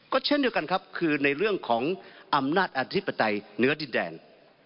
ก็เช่นเดียวกันครับคือในเรื่องของอำนาจอธิปไตยเนื้อดินแดน